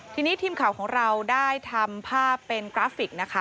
ทีนี้ทีมข่าวของเราได้ทำภาพเป็นกราฟิกนะคะ